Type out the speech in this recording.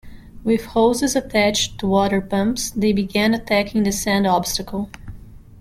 With hoses attached to water pumps, they began attacking the sand obstacle.